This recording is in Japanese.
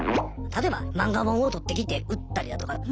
例えば漫画本を盗ってきて売ったりだとか。